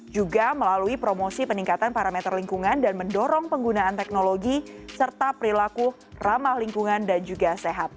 juga melalui promosi peningkatan parameter lingkungan dan mendorong penggunaan teknologi serta perilaku ramah lingkungan dan juga sehat